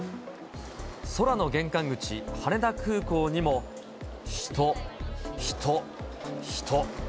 空の玄関口、羽田空港にも人、人、人。